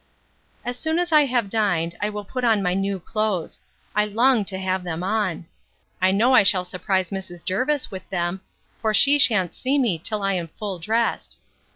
As soon as I have dined, I will put on my new clothes. I long to have them on. I know I shall surprise Mrs. Jervis with them; for she shan't see me till I am full dressed.